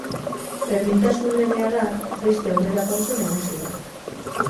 Berdintasun legea da beste aurrera pauso nagusi bat.